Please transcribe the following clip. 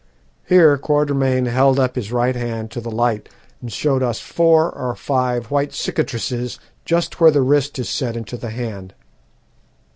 Here Quatermain held up his right hand to the light and showed us four or five white cicatrices just where the wrist is set into the hand.